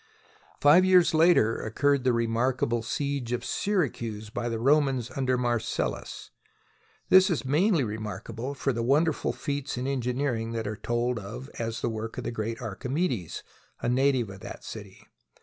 Five years later occurred the remarkable siege of Syracuse by the Romans under Marcellus. This is mainly remarkable for the wonderful feats in engineering that are told of as the work of the great Archimedes, a native of that city.